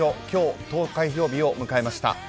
今日、投開票日を迎えました。